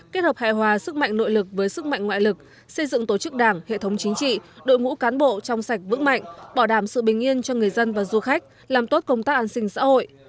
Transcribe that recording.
kết hợp hại hòa sức mạnh nội lực với sức mạnh ngoại lực xây dựng tổ chức đảng hệ thống chính trị đội ngũ cán bộ trong sạch vững mạnh bảo đảm sự bình yên cho người dân và du khách làm tốt công tác an sinh xã hội